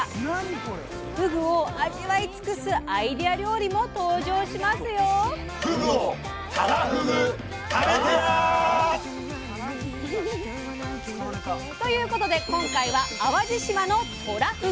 ふぐを味わいつくすアイデア料理も登場しますよ！ということで今回は淡路島の「とらふぐ」！